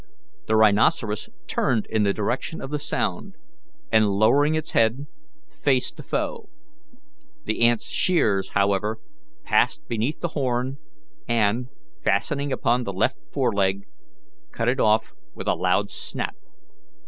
The rhinoceros turned in the direction of the sound, and, lowering its head, faced the foe. The ant's shears, however, passed beneath the horn, and, fastening upon the left foreleg, cut it off with a loud snap.